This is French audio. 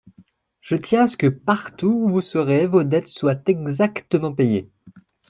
Je tiens à ce que, partout où vous serez, vos dettes soient exactement payées.